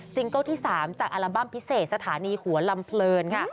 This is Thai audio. เกิลที่๓จากอัลบั้มพิเศษสถานีหัวลำเพลินค่ะ